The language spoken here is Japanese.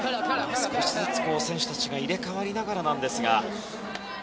少しずつ選手も入れ替わりながらですが。